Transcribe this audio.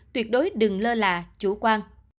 tuyệt đối đừng lơ là chủ quan